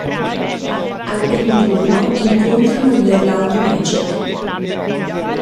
Al primo turno incontrano gli Orlando Magic.